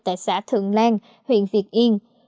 tại xã thượng lan huyện việt yên